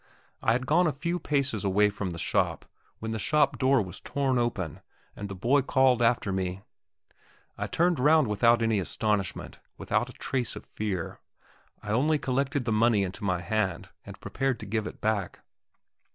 I had gone a few paces away from the shop when the shop door was torn open, and the boy called after me. I turned round without any astonishment, without a trace of fear; I only collected the money into my hand, and prepared to give it back.